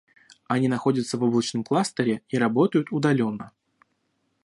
Они находятся в облачном кластере и работают удаленно